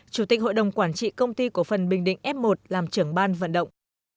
chủ tịch hội đồng quản trị công ty cổ phần bình định f một làm trưởng ban vận động